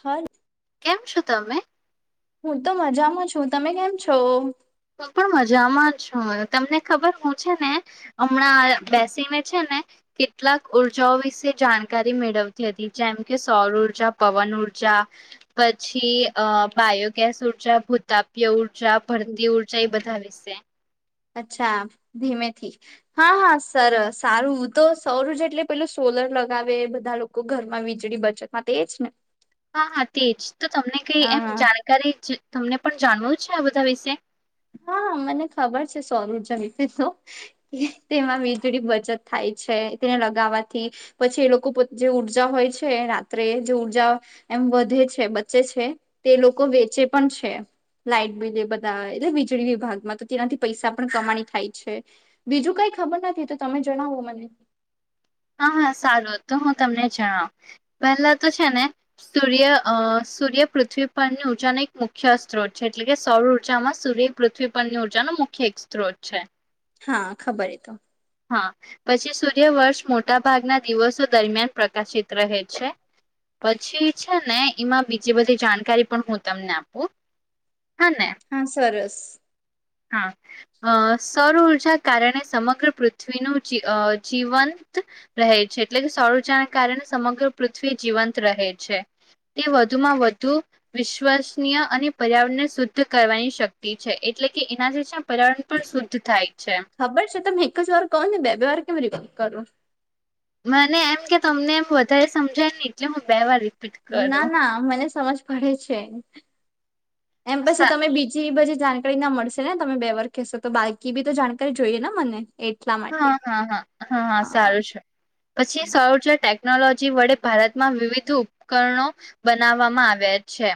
Hello કેમ છો તમે હું તો મજામાં છું તમે કેમ છો. હું પણ મજામાં છું તમને ખબર હું છે ને હમણાં બેસીને છે ને ને કેટલાક ઉર્જાઓ વિશે જાણકારી મેળવતી હતી જેમકે સૌર ઉર્જા પવન ઉર્જા જા પછી અ બાયોગેસ ઉર્જા ભૂતાપ્ય ઉર્જા ભર તી ઉર્જા એ બધા વિશે અચ્છા ધીમેથી હા હા સરસ સારું તો સૌર ઊર્જા એટલે પેલું સો સોલર લગાવે બધા લોકો ઘરમાં વીજળી બચાવે તેને હા હા તેજ તો તમને કઈ એમ હા જાણકારી જ તમને પણ જાણવું છે આ બધા વિશે [inaudible] હા મને ખબર છે સૌર ઊર્જા વિવિધો તેમાં વીજળી બચત થાય છે. તેને લગાવાથી પછી એ લોકો પોત જે ઉર્જા હોય છે રાત્રે જે ઉર્જા એમ વધે છે બચ્ચે છે તે લોકો વેચે પણ છે લાાઈટ બિલ એ બધા ને વીજળી વિભાગમાં તો તેનાથી પૈસા પણ કમાણી થાય છે. બીજું કઈ ખબર નથી તો તમે જણાવો મને [inaudible] હા હા સારું હતો. હું તમને જણાવ. પહેલા તો છે ને સૂર્ય અ સૂર્ય પૃથ્વી પરની ઉર્જાનો એક મુખ્ય સ્ત્રોત છે. એટલે કે સૌર ઉર્જામાં સૂર્ય પૃથ્વી પરની ઉર્જાનો મુખ્ય એક સ્ત્રોત છે. હા ખબર એ તો હા પછી સૂર્યવર્ષ મોટા ભાગના દિવસો દરમિયાન પ્રકાશિત રહે છે. પછી છે ને એમાં બીજી બધી જાણકારી પણ હું તમને આપું હા ને હા સરસ હા અ સૌર ઊર્જા કારણે સમગ્ર પૃથ્વીનું જી અ જીવન રહે છે. એટલે કે સૌર ઉર્જાને કારણે સમગ્ર પૃથ્વી જીવંત રહે છે. તે વધુમાં વધુ વિશ્વસનીય અને પર્યાવરણને શુદ્ધ કરવાની શક્તિ છે. એટલે કે એના જે છેને પર્યાવરણ પણ શુદ્ધ થાય છે ખબર છ. તમે એક જ વાર કહો ને બે બે વાર કેમ રીપીટ કરો મને એમ કે તમને એમ વધારે સમજાયને એટલે હું બે વાર રીપ ના ના મને સમજ પડે છે. એમ પછી સા તમે બીજી બજી જાણકારી ના મળશે ને તમે બે વાર કહેશો તો. બાકી બી તો જાણકારી જોઈએ ને મને. એટલા માટે હા હા હા હા હા સારું છે. પછી સોજટે ટેકનોલોજી વડે ભારતમાં વિવિધ ઉપકરણો બનાવવામાં આવ્યા છે.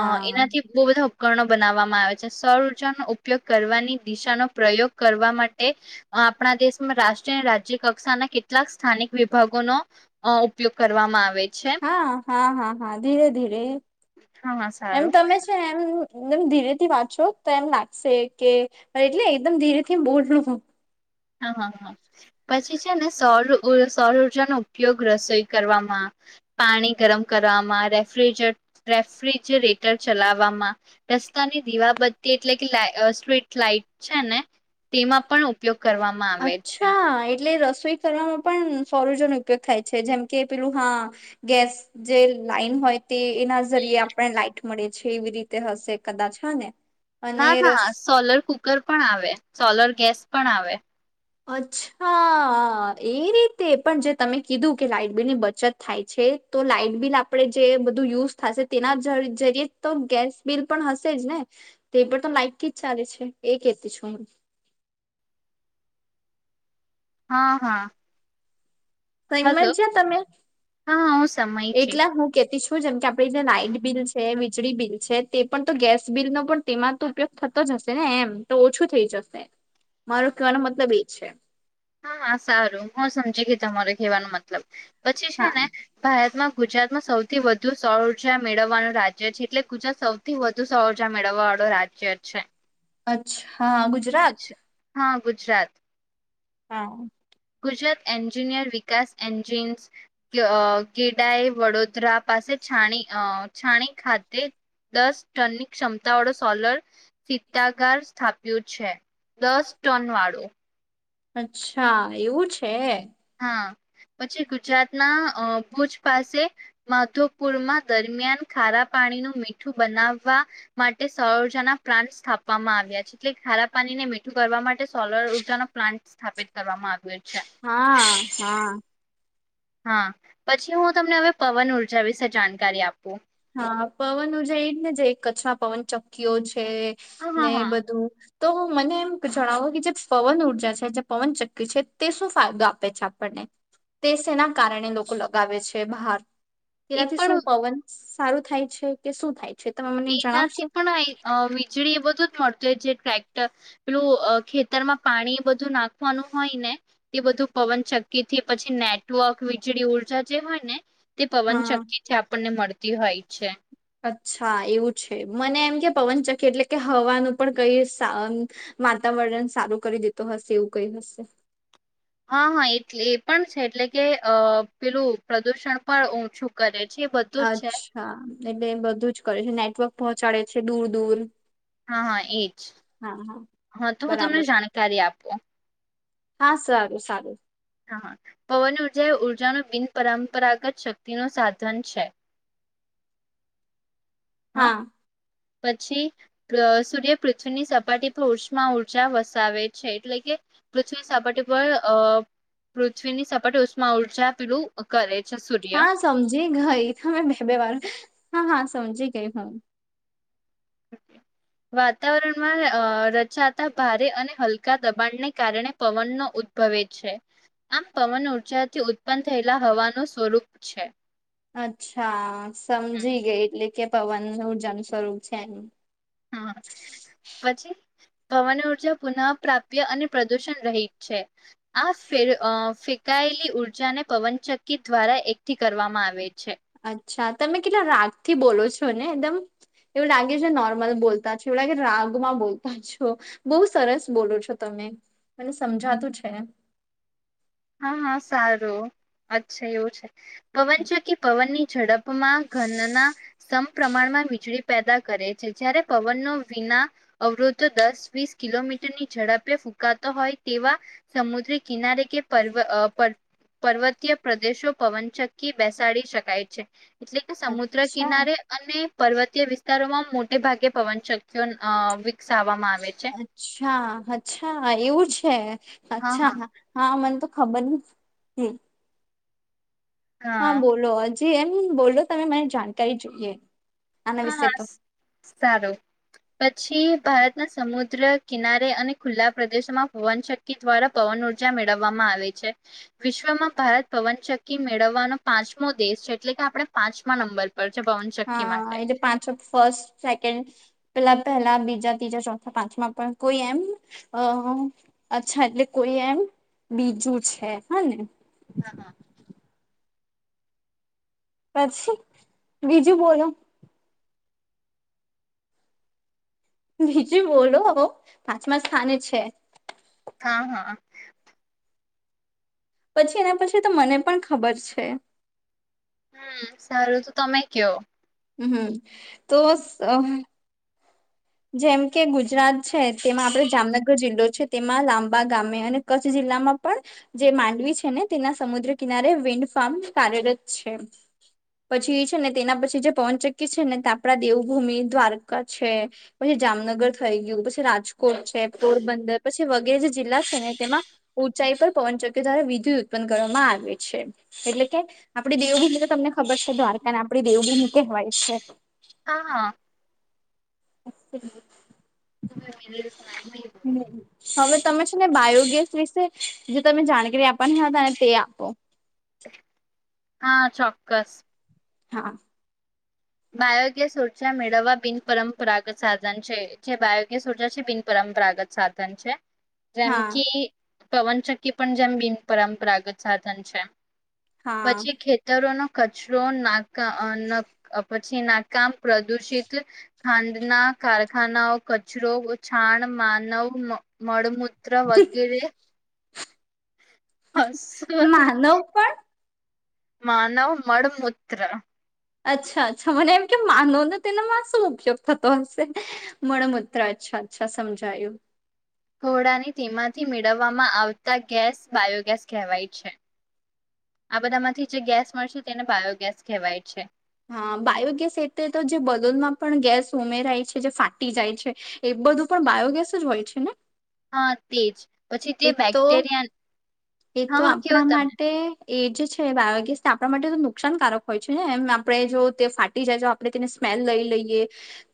હ એનાથી બહુ બદુ ઉપકણો બનાવવામાં આવે છે. સૌ ઉર્જાનો ઉપયોગ કરવાની દિશાનો પ્રયોગ કરવા માટે આપણા દેશમાં રાષ્ટ્રીય અને રાજ્ય કક્ષાના કેટલાક સ્થાનિક વિભાગોનો ઉપયોગ કરવામાં આવે છે હા હા હા હા ધીરે ધીરે, હા હા એમ સારું તમે છે એમ એકદમ ધીરેથી વાંચો તો એમ લાગશે કે એટલે એકદમ ધીરે થી એમ બોલલું હું હા હા હા પછી છે ને સોરું સૌર ઉર્જાનો ઉપયોગ રસોઈ કરવામાં, પાણી ગરમ કરવામાં, રેફ્રિજરેટ રેફ્રિજરેટર ચલાવવામાં, રસ્તાની દીવા બત્તી એટલે કે સ્ટ્રીટ લાઇ ઈટ છેને તેમાં પણ ઉપયો અચ્છા એટલે રસ ઈ કરવામાં પણ સૌરજ નો ઉપયોગ થાય છે. જેમ કે પેલું હા ગેસ જે લાઈન હોય તે એના જરીયે આપને લાઈટ મળે છે. એવી રીતે હશે કદાચ હને ના ના સોલર કુકર પણ આવે. સોલર ગેસ પણ આવે. અચ્છા એ રીતે પણ જે તમે કીધું કે લાઈટબિલ ની બચત થાય છે. તો લાાઈટ બિલ આપે જે બધું યુઝ થશે તેના જરીયે તો ગેસ બિલ પણ હશે જ ને તે પણ તો લાઈકથી જ ચાલે છે. એ કેતી છું હું. [inaudible] હા હા. હલો તઈમાં જ જ તમે હા હું સમય છે એટલા હું કેતી છું, જેમ કે આપડી જે લાઈટ બિલ છે. વીજળી બિલ છે. તે પણ તો ગેસ બિલનો પણ તેમાં તો ઉપયોગ થતો જ હશે ને એમ? તો ઓછું થઈ જશે મારો કેહેવાનો મતલબ એ છે. હા સારું હું સમજી ગઈ. તમારે ખેવાનો મતલબ પછી છે ને હા ભારતમાં ગુજરાતમાં સૌથી વધુ સૌજા મેળવવાનું રાજ્ય છે. એટલે ગુજરાત સૌથી વધુ સૌજા મેળવવાળ રાજ્ય છે. અચ્છા હા ગુજરાત હા ગુજરાત. હા. ગુજરાત એન્જિનિયર વિકાસ એન્જિન્સ ગ અ ગેડાએ વડોદરા પાસે છાણી અ છાણી ખાધતે દસ ટનની ક્ષમતાવાળો સોલર સીતાગાર સ્થાપ્યો છે દસ ટન વાળો અચ્છા એવું છે હા પછી ગુજરાતના ભુજ પાસે માધોપુરમાં દરમિયાન ખારા પાણી મીઠું બનાવા માટે સજાના પ્રાંત સ્થાપવામાં આવ્યા છે એટલે ખારા પાણીને મીઠું કરવા માટે સોલર ઉર્જાનો પ્લાન્ટ સ્થાપિત કરવામાં આવ્યું હત હા હા હા પછી હું તમને હવે પવન ઉર્જા વિશે જાણકારી આપું હ પવન જેાય એ જ ને જે કચ્છમાં પવન ચક્કી્યો છે હા હા ને હા બધું તો મને એમ જણાવો કે જે પવન ઉઊર્જા છે જે પવન ચક્કકી છે તે શું ફાયદો આપે છે આપણને તે સના કારણે લોકો લગાવે છે બહાર એ તેનાથી પણ શું પવન સારું થાય છે કે શું થાય છે તમે મને એનાથી જણાવશો પણ વીજળી એ બધું જ મળતું જે ટક્ટર પેલું ખેતરમાં પાણી બધું નાખવાનું હોય ને એ બધું પવન ચક્કી થી પછી નેટવર્ક વીજળી ઉર્જા જે હોય ને તે પવન હા ચક્કી છે આપણને મળતી હોય છે અચ્છા એવું છે મને એમ કે પવનચક એટલે કે હવાનું પણ કઈ. વાતાવરણ સારું કરી દેતો હશે એવું કઈ હશે. હા હા એ એ પણ છે એટલે કે અ પેલું પ્રદુષણ પણ ઓછું કરે. છે એ બધું જ છે અચ્છા એટલે બધું જ કરે છે નેટવર્ક પહોંચાડે છે દૂર દૂર. હા હા એજ હા હા હા તો હું તમને બરાબર જાણકારી આપું. હા સારું સારું પવન ઉર્જા એ ઉર્જાનું બિન પરંપરાગત શક્તિ નું સાધન છે. હા. પછી સૂર્ય પૃથ્વીની સપાટી પર ઉષ્મા ઊર્જા વસાવે છે એટલે કે. પૃથ્વીની સપાટી પર અ પૃથ્વીની સપાટી ઉષ્મા ઊર્જા પીડું કરે છે સૂર્ય હા સમજી ગઈ તમે બે બે વાર હા હા સમજી ગઈ હું. અ. વાતાવરણમાં અ રચાતા ભારે અને હલકા દબાણને કારણે પવનનો. ઉદભવે છે આમ પવન ઉર્જાથી ઉત્પન્ન થયેલા હવાનું સ્વરૂપ છે. અચ્છા સમજી ગઈ એટલે કે પવન નું જન સ્વરૂપ છે એમ. હા પછી. પવન ઉર્જા પુનઃ પ્રાપ્ય અને પ્રદુષણ રહીત છે આ. અકાયેલી ઉર્જાને પવનચક્કી દ્વારા એકઠી કરવામાં આવે છે અચ્છા તમે કેટલા રાગ થી બોલો છો ને એકદમ. એવું લાગે છે નોર્મલ બોલતા છો એવું લાગે રાગમાં બોલતા છો બહુ સરસ બોલો છો તમે. મને સમજાતું છે. [inaudible] હા હા સારું અચ્છા એવું છે પવન છે કે પવન ની ઝડપ. મ ઘનના સમ પ્રમાણમાં વીજળી પેદા કરે છે જ્યારે પવનનો વિના અવરોધો દસ વીસ. કિલોમીટરની ઝડપે ફૂંકાતો હોય તેવા સમુદ્રી કિનારે કે. પવ પર્વતીય પ્રદેશો પવનચક્કી બેસાડી શકાય છે એટલે કે સમુદ્ર અચ્છા કિનારે અને. પર્વતીય વિસ્તારોમાં મોટે ભાગે પવનચકકી વિકસાવવામાં આવે છે અચ્છા અચ્છા એવું છે હા અચ્છા હા હા મને તો ખબર હ હા બોલો હજી એમ બોલો તમે મરી જાણકારી જોઈએ. આના હા વિશે હા તો સારું [inaudible] પછી ભારતના સમુદ્ર કિનારે અને ખુલ્લા પ્રદેશોમાં પવનચકકી દ્વારા પવન ઉર્જા મેળવવામાં આવે છે વિશ્વમાં ભારત પવનચક્કી મેળવાનો પાંચમો દેશ છે એટલે કે આ પણે પાંચમા નંબર પર છે પવનચક્કી માટે હા એટલે પાંચ ફર્સ્ટ સેકન્ડ પેહલા પેહલા બીજા તીજા ચોથા પાંચમાં પણ કોઈ એમ. અહ અચ્છા એટલે કોઈ એમ બીજું છે હ ને. પછી બીજું બોલો. બીજું બોલો પાંચમા સ્થાને છે. હા હ પછી એના પછી તો મને પણ ખબર છે. હમ સારું તો તમે ક્યો હમ તો [inaudible] જેમ કે ગુજરાત છે તેમાં આપને જામનગર જિલ્લો. તેમાં લાંબા ગામે અને કચ્છ જિલ્લામાં પણ જે માંડવી છે ને તેના સમુદ્ર કિનારે વી ફાર્મ કાર્યરત છે. પછી છે ને તેના પછી જે પવનચકકી છે ને તે આપડા દેવભૂમિ દ્વારકા છે પછી જામનગર થઈ ગયું પછી રાજકોટ છે પોરબંદર પછી વગેરે જે જિલ્લા છે ને તેમાં ઉંચાઈ પર પવનચક્યો દ્વારા વિધિ ઉત્પન્ન કરવામાં આવે છે એટલે કે આપડે દેવભૂમી જે તમને ખ ખબર છે દ્વારકાને આપડી દેવભૂમિ કહેવાય છે હા હા [inaudible] [inaudible] હ હવે તમે છે ને બાયો ગેસવિશે જે તમે જાણકારી આપવાના હતા ને તે આપો હા ચોક્કસ હા બાયોગેસ ઉર્જા મેળવવા બિન પરંપરાગત સાધન છે જે બાયોગેસ ઉર્જા છે બિન પરં પરાગત સાધન છે હા જેમકી પવનચક્કી પણ જેમ બિન પરંપરાગત સાધન છે હા પછી ખેતરોનો કચરો નાકા અ નક પછી નાકામ પ્રદુષિત ખાંડના કારખાનાઓ કચરો [unintelligible] ણ માનવ મળમૂત્ર વગેરે હસ માનવ પણ માનવ મડમૂત્ર અચ્છા અચ્છા મને એમ કે માનવનો તેનામાં શું ઉપયોગ થતો હશે મણ મૂત્ર અચ્છા અચ્છા સમજાયું ઘોડાની તેમાંથી મેળવવામાં આવતા ગેસ બાયોગેસ કહેવાય છે આ બધા માંથી જે ગેસ મળશે તેને બાયોગેસ કહેવાય છે હા બાયોગેસ એટલે તો જે બલૂનમાં પણ ગેસ ઉમેરાય છે જે ફાટી જાય છે એ એ બધું પણ બાયોગેસ જ હોય છે ને હા તેજ પછી તે એ તો બેક્ટેરિયા એ તો હા કેવો આપણા તમે માટે એ જે છે બાયોગેસ તે આપણા માટે તો નુકસાનકારક હોય છે ને એમ આપણે જો તે ફાટી જાય તો આપણે તેને સ સમેઈલ લઈ લઈએ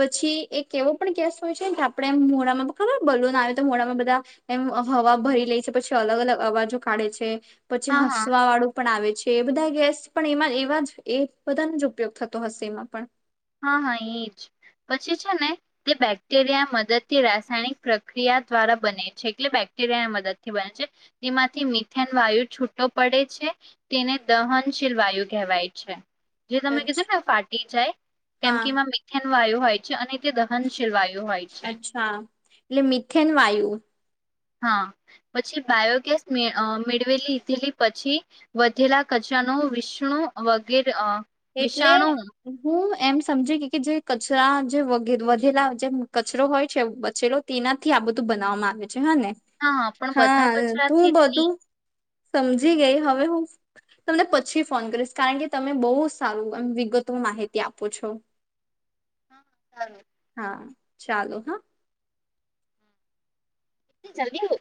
પછી એક એવો પણ ગેસ હોય છે કે આપડે મોડામાં ખબર બલુન આવે તો મોડા બધા એમ હવા ભરી લેય છે પછી અલગ અલગ અવાજો કાઢે છે પછી હા હા હસવા વાળું પણ આવે છે એ બધાય ગેસ પણ એમાં એવા જ એ બધાનો જ ઉપયોગ થતો હશે એમાં પણ હા હા એજ પછી છે ને તે બેક્ટેરિયા મદદથી રાસાયણિક પ્રક્રિયા દ્વારા બને છે એટલે બેક કટેરિયા મદદથી બને છે તેમાંથી મીથેન વાયુ છૂટો પડે છે તેને દહન શીલ વાયુ કહેવાય છે જે તમે કીધુ અચ્છા તુ ફાટી જાય કેમ હા. કે એમાં મિથેન વાયુ હોય છે અને તે દહન અચ્છા એટલે મિથેન વાયુ હા પછી બાયોગેસ મે અ મેળવેલી ધલી પછી વધેલા કચ ત્યાનો વિષ્ણુ વગેરે એટલે વિષાણુ હું એમ સમજી ગઈ કે જે કચરા જેે વધેલા જેમ કચરો હોય છે બચેલો તેનાથી આપ આ બધું બનાવામાં આવે છ છે અને હા પણ બધા હા હું કચરાથી જ નહી બધું સમજી ગઈ હવે હું. તમને પછી ફોન કરીશ કારણ કે તમે બહુ સારું એમ વિગત માહિતી આપો છો. હા હાલો. હા ચાલો હા. જલ્દી વું.